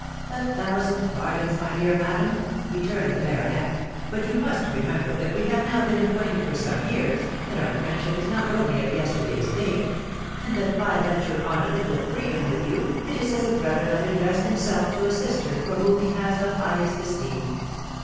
"A thousand pardons, my dear madam," returned the baronet. "But you must remember that we have now been acquainted for some years—that our friendship is not only of yesterday's date—and that if I venture on a little freedom with you, it is as a brother might address himself to a sister for whom he has the highest esteem.